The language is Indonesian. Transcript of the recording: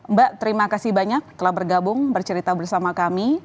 mbak terima kasih banyak telah bergabung bercerita bersama kami